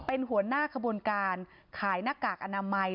เป็นหัวหน้าขบวนการขายหน้ากากอนามัย